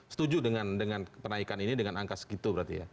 setuju dengan penaikan ini dengan angka segitu berarti ya